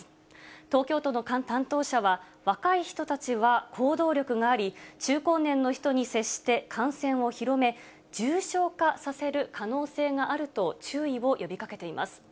東京都の担当者は、若い人たちは行動力があり、中高年の人に接して感染を広め、重症化させる可能性があると、注意を呼びかけています。